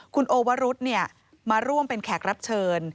คุณโอวรุธมาร่วมเป็นแขกรับเชิญ